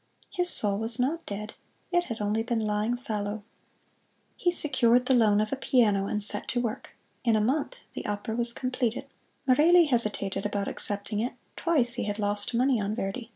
His soul was not dead it had only been lying fallow. He secured the loan of a piano and set to work. In a month the opera was completed. Merelli hesitated about accepting it twice he had lost money on Verdi.